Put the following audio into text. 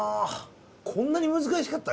こんなに難しかった？